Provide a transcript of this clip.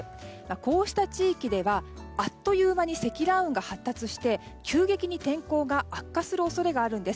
こうした地域ではあっという間に積乱雲が発達して急激に天候が悪化する恐れがあるんです。